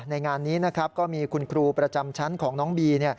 งานนี้นะครับก็มีคุณครูประจำชั้นของน้องบี